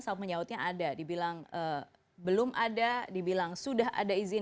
saut menyautnya ada dibilang belum ada dibilang sudah ada izin